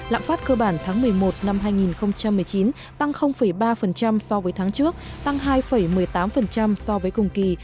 lạm phát cơ bản tháng một mươi một năm hai nghìn một mươi chín tăng ba so với tháng trước tăng hai một mươi tám so với cùng kỳ